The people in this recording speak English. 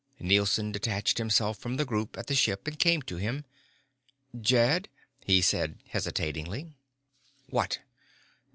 Nielson detached himself from the group at the ship and came to him. "Jed," he said hesitatingly. "What?"